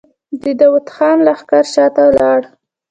د داوود خان لښکر شاته لاړ.